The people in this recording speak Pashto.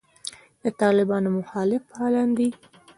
د طالبانو مخالف فعالان دي.